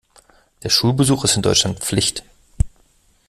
Der Schulbesuch ist in Deutschland Pflicht.